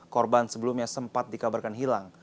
korban sebelumnya sempat dikabarkan hilang